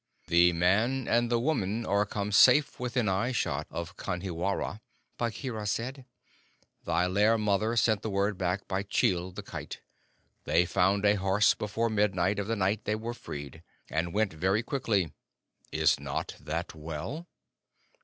"The man and the woman are come safe within eye shot of Kanhiwara," Bagheera said. "Thy lair mother sent the word back by Chil, the Kite. They found a horse before midnight of the night they were freed, and went very quickly. Is not that well?"